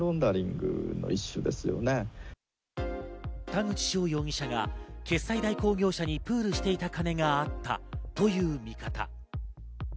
田口翔容疑者が決済代行業者にプールしていた金があったとういう見方。